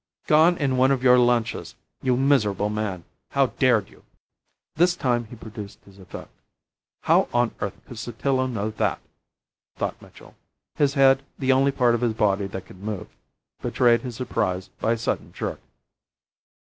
Gone in one of your lanchas, you miserable man! How dared you?" This time he produced his effect. "How on earth could Sotillo know that?" thought Mitchell. His head, the only part of his body that could move, betrayed his surprise by a sudden jerk.